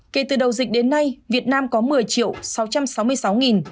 kể từ đầu dịch đến nay việt nam có một mươi sáu trăm sáu mươi sáu triệu ca